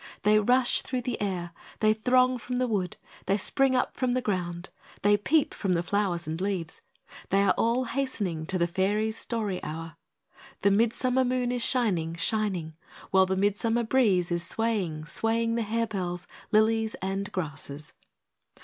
They rush through the air; they throng from the wood; they spring up from the ground; they peep from the flowers and leaves. They are all hastening to the Fairies' Story Hour. The Midsummer moon is shining, shining; while the Midsummer breeze is swaying, swaying the harebells, lilies, and grasses.